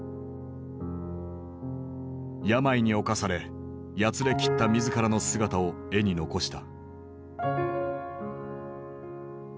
病に侵されやつれきった自らの姿を絵に残した。